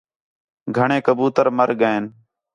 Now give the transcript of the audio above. گھݨیں کبوتر مَر ڳئین